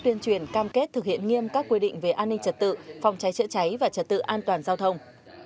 tuyên truyền cam kết thực hiện nghiêm các quy định về an ninh trật tự phòng cháy chữa cháy và trật tự an toàn giao thông